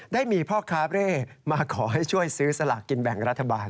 ได้มีพ่อค้าเร่มาขอให้ช่วยซื้อสลากกินแบ่งรัฐบาล